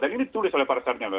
dan ini ditulis oleh para sarnyaba